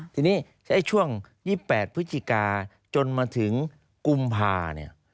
ทีนี้ช่วง๒๘พฤศจิกาจนมาถึงกุมภาเนี่ย